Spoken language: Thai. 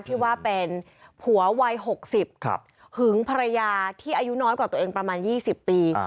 ที่ว่าเป็นผัววัย๖๐หึงภรรยาที่อายุน้อยกว่าตัวเองประมาณ๒๐ปี